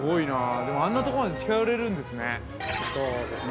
でも、あんなとこまで近寄れるんですね。